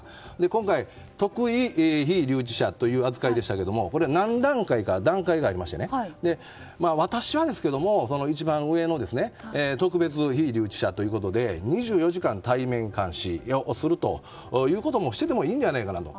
今回、特異被留置者という扱いでしたがこれは何段階か段階がありまして私はですけれども、一番上の特異被留置者ということで２４時間監視するということをしていてもいいんじゃないかなと。